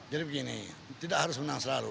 jadi begini tidak harus menang selalu